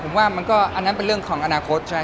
ผมว่ามันก็อันนั้นเป็นเรื่องของอนาคตใช่ไหม